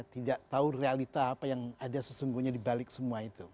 tidak tahu realita apa yang ada sesungguhnya dibalik semua itu